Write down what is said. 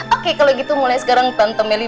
oke kalau gitu mulai sekarang tante meli